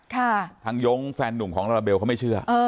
ทางย้งแฟนหนุ่มของลาลาเบลเขาไม่เชื่อ